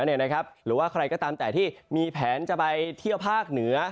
หรือว่าใครก็ตามแต่ที่มีแผนจะไปเที่ยวภาคเหนือ